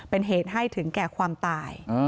เป็นเหตุให้ถึงแก่ความตาย